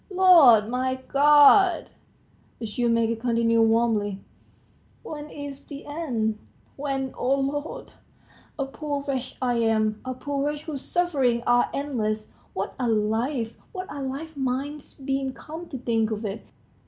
.." "Lord, my God!" the shoemaker continued warmly, "when is the end? when, O Lord! A poor wretch I am, a poor wretch whose sufferings are endless! What a life, what a life mine's been come to think of it!